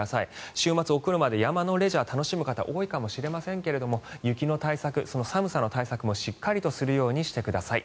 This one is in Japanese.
週末、お車で山のレジャーを楽しむ方多いかもしれませんが雪の対策、寒さの対策もしっかりとするようにしてください。